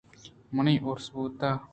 منی آروس بوتگ۔